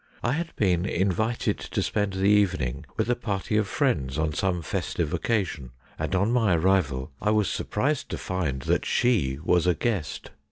I had been invited to spend the evening with a party of friends on some festive occasion, and on my arrival I was surprised to find that she was a guest.